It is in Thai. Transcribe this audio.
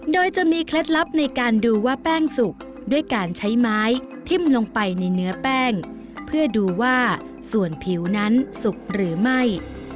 โดยจะมีเคล็ดลับในการดูว่าแป้งสุกด้วยการใช้ไม้ทิ้มลงไปในเนื้อแป้งเพื่อดูว่าส่วนผิวนั้นสุกหรือไม่